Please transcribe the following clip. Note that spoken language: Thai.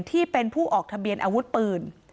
ที่เป็นผู้ออกทะเบียนอาวุธปืน